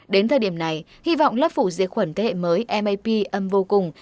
đến thời điểm này hy vọng lớp phủ diệt khuẩn thế hệ mới map âm vô cùng